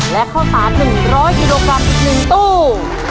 และข้อ๓๑๐๐กิโลกรัม๑ตู้